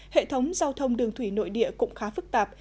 hệ thống giao thông đường thủy nội địa cũng khá phức tạp